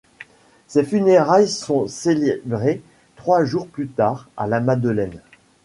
Ses funérailles sont célébrées trois jours plus tard à la Madeleine.